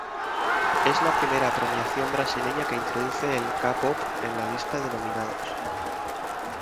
Es la primera premiación brasileña que introduce el k-pop en la lista de nominados.